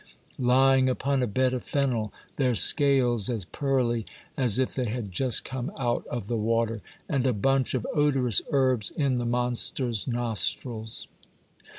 lying upon a bed of fennel, their scales as pearly as if they had just come out of the water, and a bunch of odorous herbs in the monsters' nostrils.